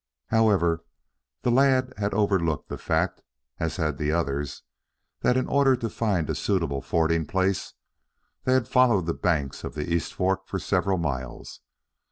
However, the lad had overlooked the fact, as had the others, that in order to find a suitable fording place, they had followed the hanks of the East Fork for several miles.